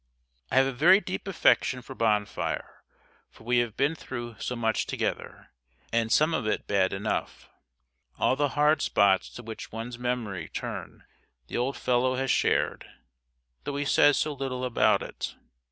I have a very deep affection for Bonfire, for we have been through so much together, and some of it bad enough. All the hard spots to which one's memory turns the old fellow has shared, though he says so little about it.